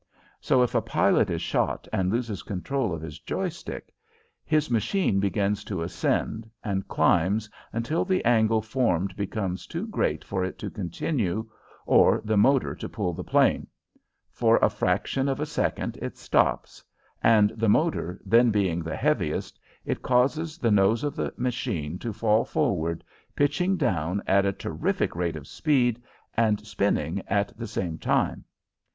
So if a pilot is shot and loses control of this "joy stick" his machine begins to ascend, and climbs until the angle formed becomes too great for it to continue or the motor to pull the plane; for a fraction of a second it stops, and the motor then being the heaviest, it causes the nose of the machine to fall forward, pitching down at a terrific rate of speed and spinning at the same time.